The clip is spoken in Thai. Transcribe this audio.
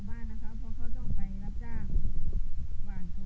ถ้าจะไปหาหมออะไรก็ต้องไปต้องฆ่าน้ำมันฆ่าอะไรไปฆ่ากิน